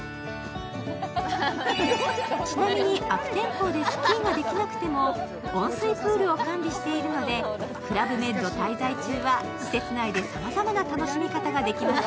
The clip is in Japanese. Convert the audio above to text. ちなみに、悪天候でスキーができなくても温水プールを完備しているのでクラブメッド滞在中は施設内でさまざまな楽しみ方ができますよ。